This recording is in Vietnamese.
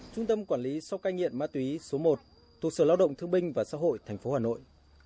trung tâm quản lý sau cai nghiện ma túy số một thuộc sở lao động thương binh và xã hội tp hà nội